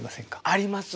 あります。